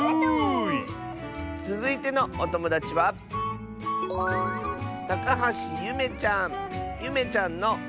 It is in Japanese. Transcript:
つづいてのおともだちはゆめちゃんの。